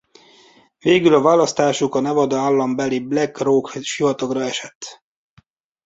Végül a választásuk a Nevada állam beli Black Rock sivatagra esett.